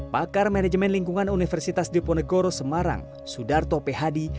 pakar manajemen lingkungan universitas diponegoro semarang sudarto pehadi